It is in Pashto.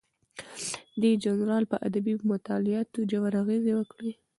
دې ژورنال په ادبي مطالعاتو ژور اغیز وکړ.